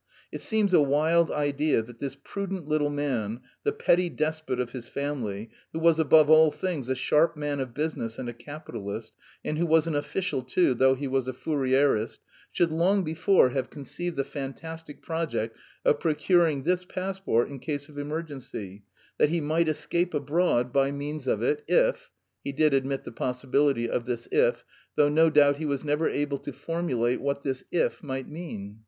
It seems a wild idea that this prudent little man, the petty despot of his family, who was, above all things, a sharp man of business and a capitalist, and who was an official too (though he was a Fourierist), should long before have conceived the fantastic project of procuring this passport in case of emergency, that he might escape abroad by means of it if... he did admit the possibility of this if, though no doubt he was never able himself to formulate what this if might mean.